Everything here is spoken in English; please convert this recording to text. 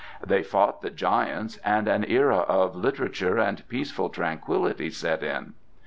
They fought the giants and an era of literature and peaceful tranquillity set in.